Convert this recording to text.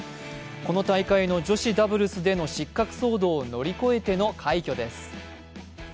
この大会の女子ダブルスでの失格騒動を乗り越えての快挙です。